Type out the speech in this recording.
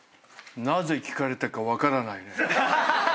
「なぜ聞かれたか分からないね」